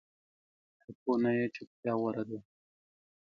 که پوه نه یې، چُپتیا غوره ده